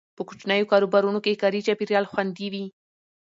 په کوچنیو کاروبارونو کې کاري چاپیریال خوندي وي.